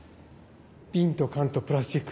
ビンと缶とプラスチック。